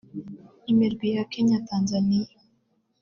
Imirwi ya Kenya Tanzania